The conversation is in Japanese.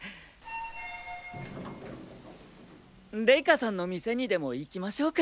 レイカさんの店にでも行きましょうか。